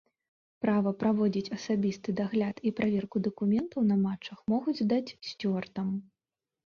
Права праводзіць асабісты дагляд і праверку дакументаў на матчах могуць даць сцюардам.